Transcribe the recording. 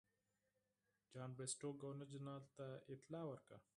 جان بریسټو ګورنر جنرال ته اطلاع ورکړه.